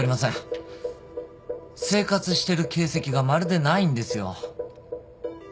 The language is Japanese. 生活してる形跡がまるでないんですよ。